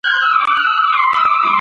یرغلګر ستړي شول.